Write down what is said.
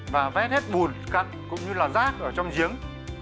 và vét hết bùn cặn cũng như là rác ở trong giếng